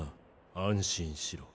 安心しろ。